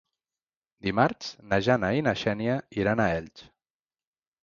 Dimarts na Jana i na Xènia iran a Elx.